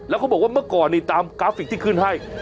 แล้วเขาบอกว่าเมื่อก่อนนี่ตามกราฟิกที่ขึ้นให้